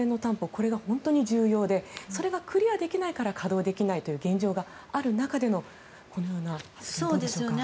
これが本当に重要でそれがクリアできないから稼働できないという現状がある中でのこのようなどうでしょうか。